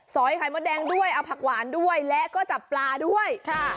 อยไข่มดแดงด้วยเอาผักหวานด้วยและก็จับปลาด้วยค่ะ